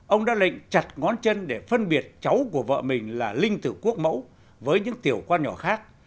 ông đã lệnh chặt ngón chân để phân biệt cháu của vợ mình là linh tử quốc mẫu với những tiểu con nhỏ khác